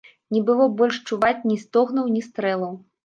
Не было больш чуваць ні стогнаў, ні стрэлаў.